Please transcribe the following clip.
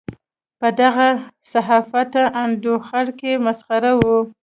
په دغه صحافتي انډوخر کې مسخره وو.